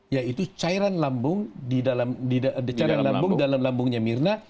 yaitu cairan lambung di dalam lambungnya mirna